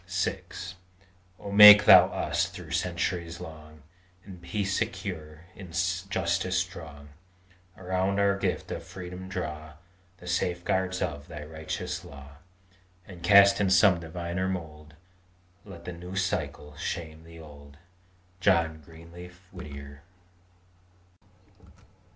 VI Oh make Thou us, through centuries long, In peace secure, in justice strong; Around our gift of freedom draw The safeguards of Thy righteous law: And, cast in some diviner mould, Let the new cycle shame the old! JOHN GREENLEAF WHITTIER.